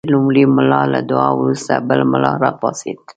د لومړي ملا له دعا وروسته بل ملا راپاڅېد.